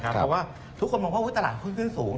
เพราะว่าทุกคนมองว่าตลาดหุ้นขึ้นสูง